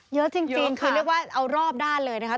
เยอะจริงคือเรียกว่าเอารอบด้านเลยนะครับ